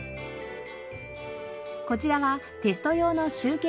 こちらはテスト用の集計画面。